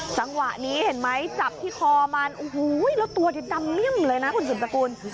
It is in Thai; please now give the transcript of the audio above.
จังหวะนี้เห็นไหมจับที่คอมันโอ้โหแล้วตัวนี้ดำเนิ่มเลยนะคุณสุดสกุล